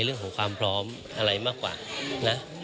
เรื่องของความพร้อมอะไรมากกว่านะ